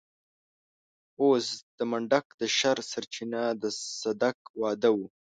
اوس د منډک د شر سرچينه د صدک واده و.